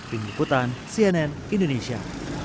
pinggir putan cnn indonesia